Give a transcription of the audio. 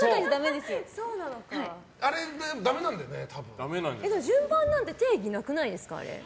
でも、あれって順番なんて定義なくないですか？